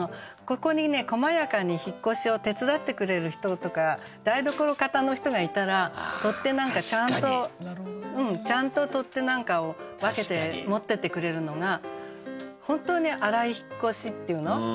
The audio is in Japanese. ここにこまやかに引っ越しを手伝ってくれる人とか台所方の人がいたら取っ手なんかちゃんとちゃんと取っ手なんかを分けて持ってってくれるのが本当に粗い引っ越しっていうの？